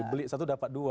beli satu dapat dua